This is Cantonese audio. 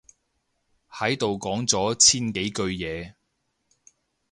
喺度講咗千幾句嘢